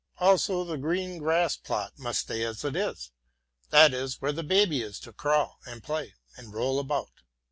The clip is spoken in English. Also the green grass plot must stay as it is; that is where the baby is to crawl and play and roll about.